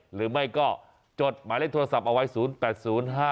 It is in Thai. หรือไม่ก็จดหมายเลขโทรศัพท์เอาไว้๐๘๐๕๘๖๒๖๖๘แบบนี้นะจ๊ะ